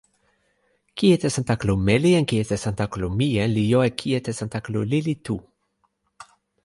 kijetesantakalu meli en kijetesantakalu mije li jo e kijetesantakalu lili tu.